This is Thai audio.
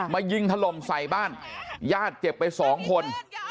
ยิงถล่มใส่บ้านญาติเจ็บไปสองคน